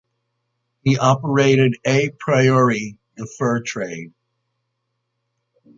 He operated "a priori" the fur trade.